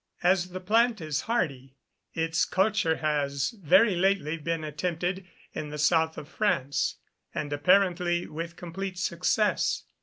As the plant is hardy, its culture has very lately been attempted in the South of France, and apparently with complete success.